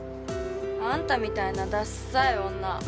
あんたみたいなだっさい女